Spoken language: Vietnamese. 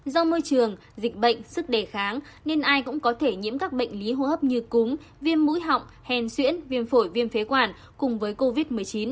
do môi trường dịch bệnh sức đề kháng nên ai cũng có thể nhiễm các bệnh lý hô hấp như cúm viêm mũi họng hèn xuyễn viêm phổi viêm phế quản cùng với covid một mươi chín